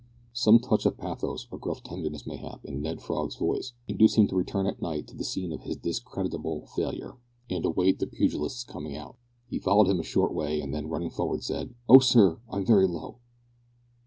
Some touch of pathos, or gruff tenderness mayhap, in Ned Frog's voice, induced him to return at night to the scene of his discreditable failure, and await the pugilist's coming out. He followed him a short way, and then running forward, said "Oh, sir! I'm very low!"